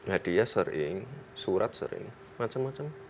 hadiah sering surat sering macam macam